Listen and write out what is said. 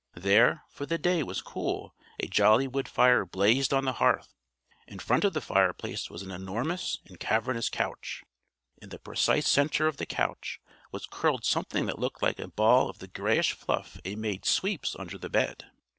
There, for the day was cool, a jolly wood fire blazed on the hearth. In front of the fireplace was an enormous and cavernous couch. In the precise center of the couch was curled something that looked like a ball of the grayish fluff a maid sweeps under the bed.